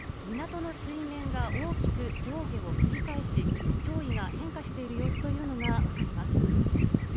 港の水面が大きく上下を繰り返し、潮位が変化している様子というのが分かります。